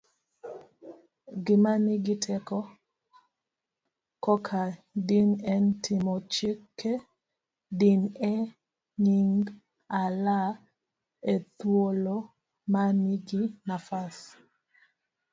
gima nigi teko korka din en timo chike din e nyingAllahethuolomaniginafas